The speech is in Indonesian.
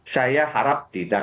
saya harap tidak